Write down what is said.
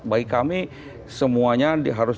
bagi kami semuanya harus